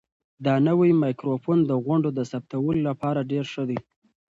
دا نوی مایکروفون د غونډو د ثبتولو لپاره ډېر ښه دی.